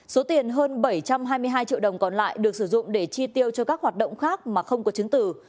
số tiền hơn bảy trăm hai mươi hai triệu đồng còn lại được sử dụng để chi tiêu cho các hoạt động khác mà không có chứng tử